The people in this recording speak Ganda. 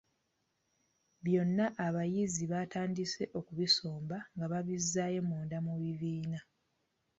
Byonna abayizi baatandise okubisomba nga babizzaayo munda mu bibiina.